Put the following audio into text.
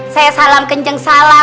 saya salam kencang salah